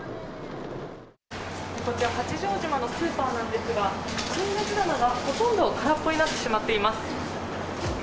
こちら、八丈島のスーパーなんですが、陳列棚がほとんど空っぽになってしまっています。